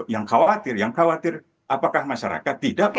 yang khawatir apakah masyarakat tidak